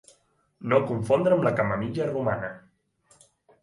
No confondre amb la camamilla romana.